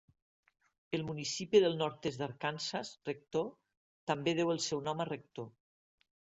El municipi del nord-est d'Arkansas, Rector, també deu el seu nom a Rector.